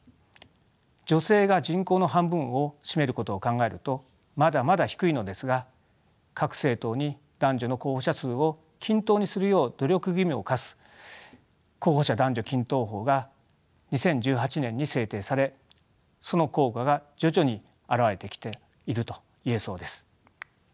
女性が人口の半分を占めることを考えるとまだまだ低いのですが各政党に男女の候補者数を均等にするよう努力義務を課す候補者男女均等法が２０１８年に制定されその効果が徐々に表れてきていると言えそうです。